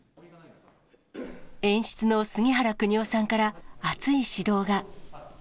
演出の杉原邦生さんから熱い指導が。